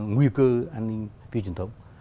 nguy cơ an ninh phi truyền thống